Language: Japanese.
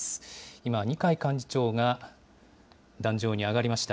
今、二階幹事長が壇上に上がりました。